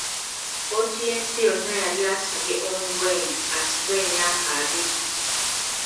Kkooti y'ensi yonna yali asabye Ongwen asibwe emyaka abiiri.